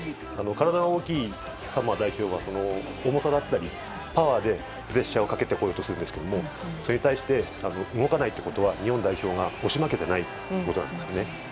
体が大きいサモア代表が重さだったり、パワーでプレッシャーをかけてこようとするんですけれどもそれに対して動かないということは日本代表が押し負けていないということです。